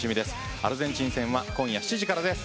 アルゼンチン戦は今夜７時からです。